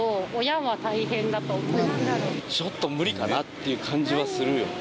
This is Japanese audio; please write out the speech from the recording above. ちょっと無理かなって感じはするよね。